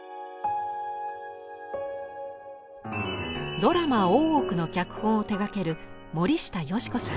ドラマ「大奥」の脚本を手がける森下佳子さん。